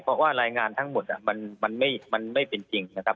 เพราะว่ารายงานทั้งหมดอ่ะมันมันไม่มันไม่เป็นจริงนะครับ